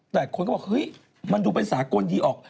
แต่คนก็บอกเฮ้ยมันดูเป็นสากลดีออก